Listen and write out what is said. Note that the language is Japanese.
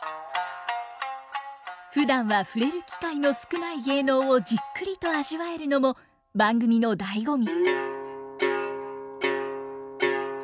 ふだんは触れる機会の少ない芸能をじっくりと味わえるのも番組の醍醐味。